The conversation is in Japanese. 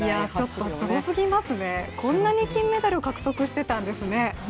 ちょっとすごすぎますね、こんなに金メダルを獲得していたんですね。